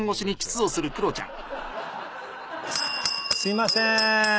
すいませーん！